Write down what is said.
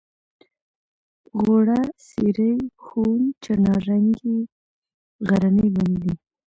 غوړه څېرۍ ښوون چناررنګی غرني ونې دي.